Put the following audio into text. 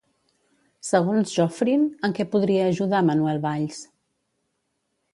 Segons Joffrin, en què podria ajudar Manuel Valls?